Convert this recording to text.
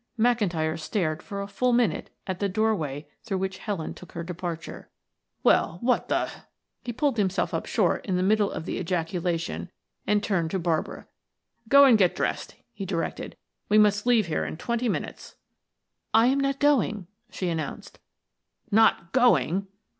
McIntyre stared for a full minute at the doorway through which Helen took her departure. "Well, what the " He pulled himself up short in the middle of the ejaculation and turned to Barbara. "Go and get dressed," he directed. "We must leave here in twenty minutes." "I am not going," she announced. "Not going!"